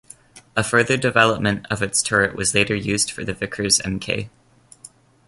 A further development of its turret was later used for the Vickers Mk.